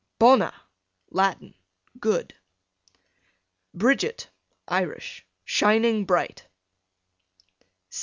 Bona, Latin, good. Bridget, Irish, shining bright.